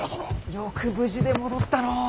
よく無事で戻ったのう。